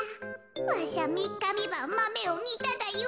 わしゃみっかみばんマメをにただよ。